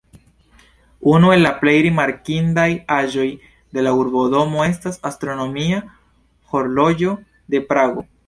Unu el la plej rimarkindaj aĵoj de la Urbodomo estas astronomia horloĝo de Prago.